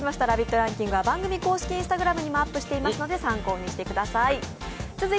ランキングは番組公式Ｉｎｓｔａｇｒａｍにもアップしていますので、参考にしてください。